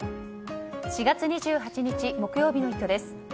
４月２８日木曜日の「イット！」です。